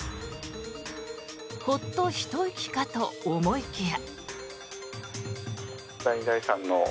ほっとひと息かと思いきや。